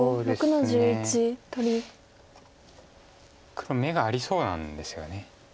黒眼がありそうなんですよね。